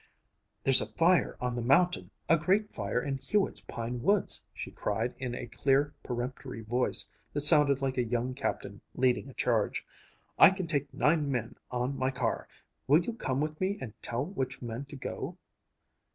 "There's a fire on the mountain a great fire in Hewitt's pine woods," she cried in a clear, peremptory voice that sounded like a young captain leading a charge. "I can take nine men on my car. Will you come with me and tell which men to go?"